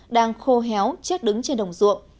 đang khô héo chết đứng trên đồng ruộng